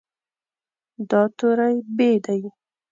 دا توری "ب" دی.